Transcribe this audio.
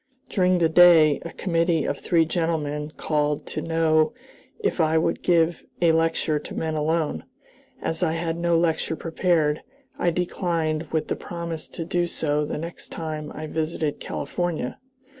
During the day a committee of three gentlemen called to know if I would give a lecture to men alone. As I had no lecture prepared, I declined, with the promise to do so the next time I visited California.